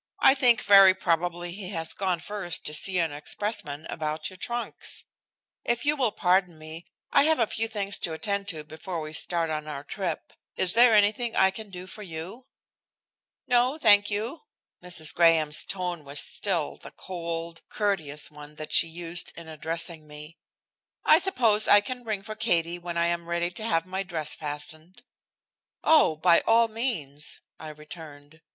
"I think very probably he has gone first to see an expressman about your trunks. If you will pardon me I have a few things to attend to before we start on our trip. Is there anything I can do for you?" "No, thank you." Mrs. Graham's tone was still the cold, courteous one that she used in addressing me. "I suppose I can ring for Katie when I am ready to have my dress fastened?" "Oh! by all means," I returned.